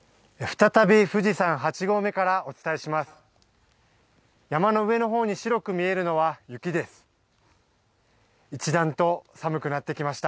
再び富士山８合目からお伝えします。